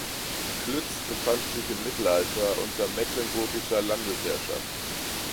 Klütz befand sich im Mittelalter unter mecklenburgischer Landesherrschaft.